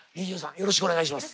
よろしくお願いします。